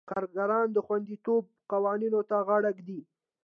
کارګران د خوندیتوب قوانینو ته غاړه ږدي.